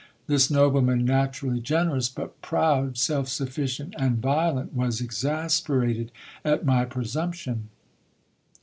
This nobleman, naturally generous, but proud, self sufficient, and violent, was exasperated at my pre sumption.